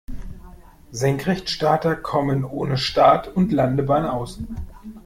Senkrechtstarter kommen ohne Start- und Landebahn aus.